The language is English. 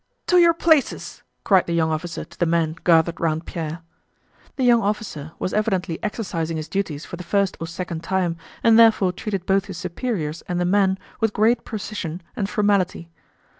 "To your places!" cried the young officer to the men gathered round Pierre. The young officer was evidently exercising his duties for the first or second time and therefore treated both his superiors and the men with great precision and formality.